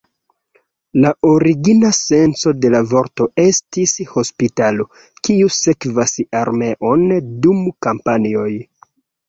La origina senco de la vorto estis "hospitalo kiu sekvas armeon dum kampanjoj".